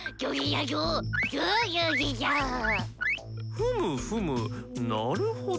ふむふむなるほど。